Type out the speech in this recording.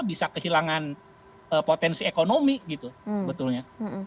bisa kehilangan potensi ekonomi gitu sebetulnya